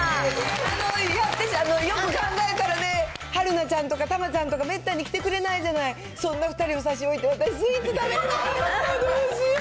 私、よく考えたらね、春奈ちゃんとか、玉ちゃんとか、めったに来てくれないじゃない、そんな２人を差し置いて、私、スイーツ食べるなんて、どうしよう。